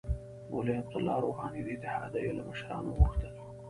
مولوی عبدالله روحاني د اتحادیو له مشرانو وغوښتل